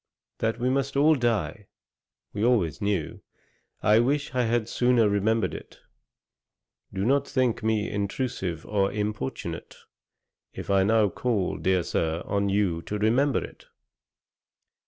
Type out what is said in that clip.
That we must all die, we always knew; I wish I had sooner remembered it. Do not think me intrusive or importunate, if I now call, dear Sir, on you to remember it.'